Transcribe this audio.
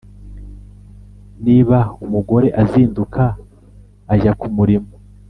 Niba umugore azinduka ajya ku murimo